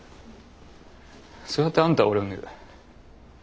そうやってあんたは俺を見る。